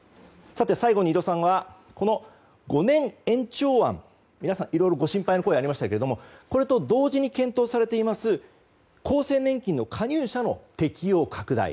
最後に井戸さんは５年延長案皆さん、いろいろご心配の声がありましたけれどもこれと同時に検討されている厚生年金の加入者の適用拡大。